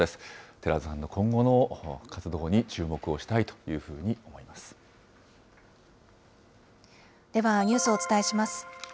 寺田さんの今後の活動に注目をしではニュースをお伝えします。